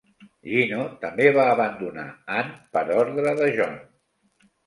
Gino també va abandonar Ann per ordre de John.